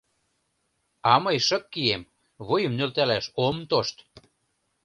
— А мый шып кием, вуйым нӧлталаш ом тошт.